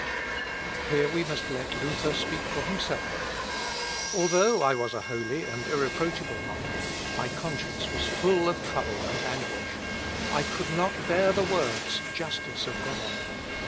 Here we must let Luther speak for himself. "Although I was a holy and irreproachable monk, my conscience was full of trouble and anguish. I could not bear the words, 'Justice of God.'